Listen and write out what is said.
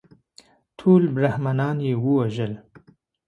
ټول برهمنان یې ووژل.